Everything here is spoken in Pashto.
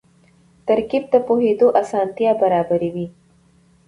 ترکیب د پوهېدو اسانتیا برابروي.